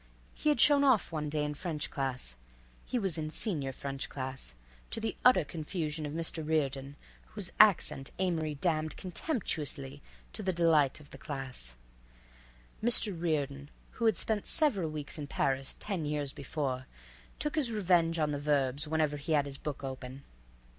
He had shown off one day in French class (he was in senior French class) to the utter confusion of Mr. Reardon, whose accent Amory damned contemptuously, and to the delight of the class. Mr. Reardon, who had spent several weeks in Paris ten years before, took his revenge on the verbs, whenever he had his book open.